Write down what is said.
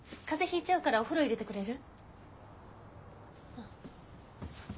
ひいちゃうからお風呂入れてくれる？